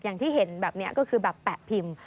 อย่างที่เห็นแบบนี้ก็คือแบบแปะพิมพ์